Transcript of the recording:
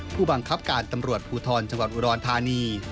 ผู้บังคับการตำรวจภูทรจังหวัดอุดรธานี